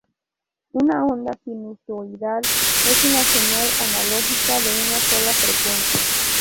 Una onda sinusoidal es una señal analógica de una sola frecuencia.